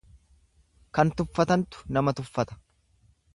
Kan tuffatantu nama tuffata.